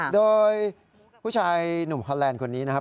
โดยผู้ชายหนุ่มฮอนแลนด์คนนี้นะครับ